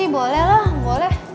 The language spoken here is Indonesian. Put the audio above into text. boleh lah boleh